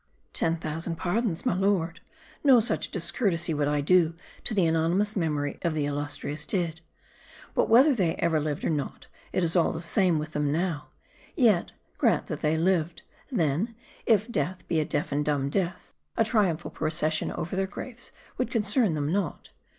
" Ten thousand pardons, my lord, no such discourtesy would I do the anonymous memory of .the illustrious dead. But whether they ever lived or not, it is all the same with them now. Yet, grant that they lived ; then, if death be a deaf and dumb death, a triumphal procession over their graves would" concern them not.